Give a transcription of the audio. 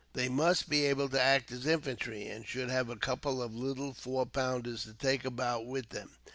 They must be able to act as infantry, and should have a couple of little four pounders to take about with them.